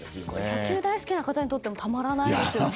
野球大好きな方にとってはたまらないですよね。